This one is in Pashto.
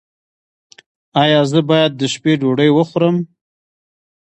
ایا زه باید د شپې ډوډۍ وخورم؟